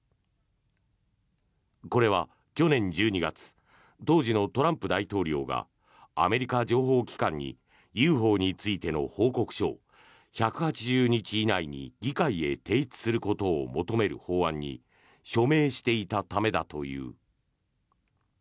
これは去年１２月当時のトランプ大統領がアメリカ情報機関にＵＦＯについての報告書を１８０日以内に議会へ提出することを求める法案に署名していたためだという。